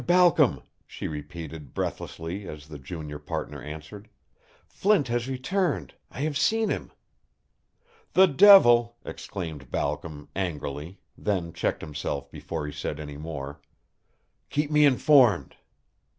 Balcom," she repeated, breathlessly, as the junior partner answered, "Flint has returned. I have seen him." "The devil!" exclaimed Balcom, angrily, then checked himself before he said any more. "Keep me informed."